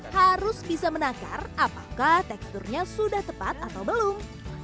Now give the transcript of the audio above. harus bisa menakar apakah teksturnya sudah tepat atau belum